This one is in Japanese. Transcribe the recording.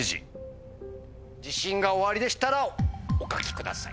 自信がおありでしたらお書きください。